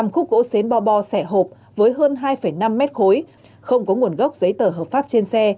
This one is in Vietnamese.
hai mươi năm khúc gỗ xến bo bo sẻ hộp với hơn hai năm mét khối không có nguồn gốc giấy tờ hợp pháp trên xe